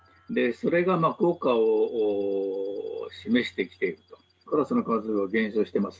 それが効果を示してきていると。